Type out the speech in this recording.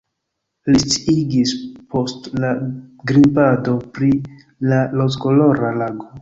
Li sciigis post la grimpado pri la rozkolora lago.